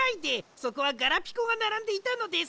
そこはガラピコがならんでいたのです。